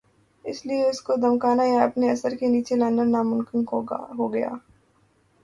اسی لئے ان کو دھمکانا یا اپنے اثر کے نیچے لانا ناممکن ہو گیا۔